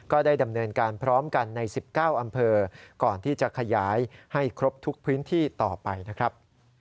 ก็ได้ดำเนินการพร้อมกันใน๑๙อำเภอก่อนที่จะขยายให้ครบทุกพื้นที่ต่อไปนะครับ